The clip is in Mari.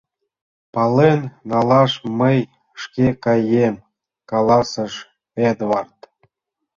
— Пален налаш мый шке каем, — каласыш Эдвард.